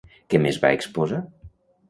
Què més va exposar?